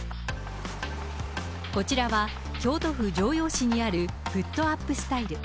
こちらは京都府城陽市にあるプットアップ・スタイル。